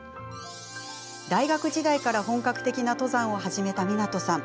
大学時代から本格的な登山を始めた湊さん。